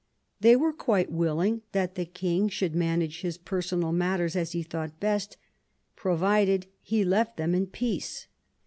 They were quite willing that the King should manage his personal matters as he thought best, provided he left them in peace.